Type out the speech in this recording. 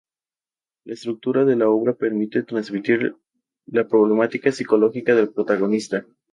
La estructura de la obra permite transmitir la problemática psicológica del protagonista.